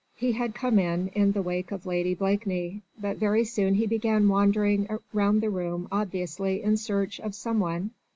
He had come in, in the wake of Lady Blakeney, but very soon he began wandering round the room obviously in search of some one.